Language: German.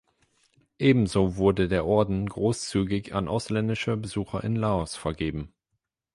Ebenso wurde der Orden großzügig an ausländische Besucher in Laos vergeben.